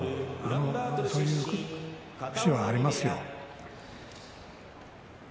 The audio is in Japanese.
そういう節がありますよ。